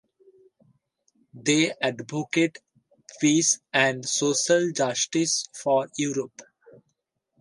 They advocated peace and social justice for Europe.